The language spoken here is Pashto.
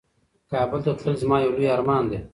کابل ته تلل زما یو لوی ارمان دی.